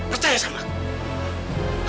percaya sama aku